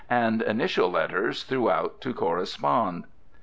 And initial letters throughout to correspond.